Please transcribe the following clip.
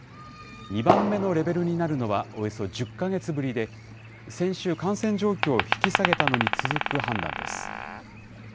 ２番目のレベルになるのはおよそ１０か月ぶりで、先週、感染状況を引き下げたのに続く判断です。